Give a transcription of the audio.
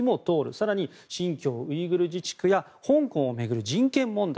更に新疆ウイグル自治区や香港を巡る人権問題。